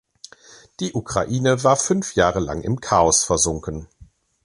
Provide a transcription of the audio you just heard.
Die Ukraine war fünf Jahre lang im Chaos versunken.